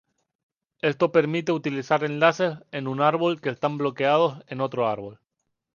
Esto permite utilizar enlaces en un árbol que están bloqueados en otro árbol.